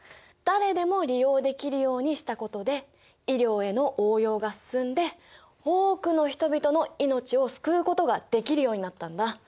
誰でも利用できるようにしたことで医療への応用が進んで多くの人々の命を救うことができるようになったんだ。